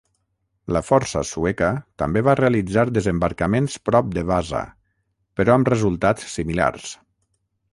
La força sueca també va realitzar desembarcaments prop de Vasa, però amb resultats similars.